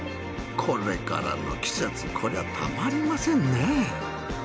これからの季節こりゃたまりませんね。